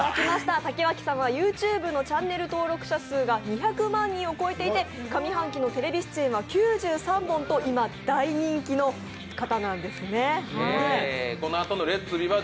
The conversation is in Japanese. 竹脇さんはＹｏｕＴｕｂｅのチャンネル登録数が２７０万人を超えていて上半期のテレビ出演は９３本とこのあとの「Ｌｅｔ’ｓ！